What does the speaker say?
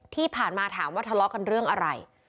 ที่ผ่านมาถามว่าทะเลาะกันเรื่องอะไร